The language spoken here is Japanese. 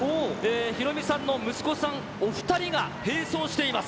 ヒロミさんの息子さんお２人が併走しています。